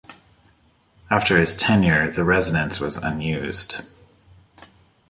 After his tenure the residence was unused.